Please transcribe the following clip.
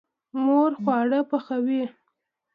مور خواړه پخوي.